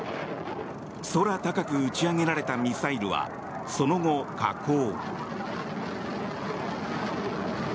空高く打ち上げられたミサイルはその後、下降。